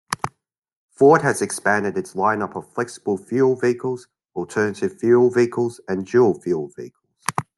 Ford has expanded its lineup of flexible-fuel vehicles, alternative fuel vehicles, and dual-fuel vehicles.